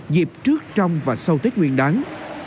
dịp trước trong và sau tết nguyên đáng